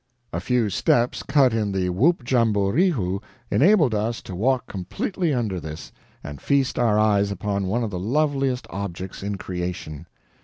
A few steps cut in the WHOOPJAMBOREEHOO enabled us to walk completely under this, and feast our eyes upon one of the loveliest objects in creation.